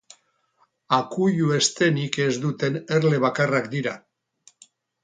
Akuilu-eztenik ez duten erle bakarrak dira.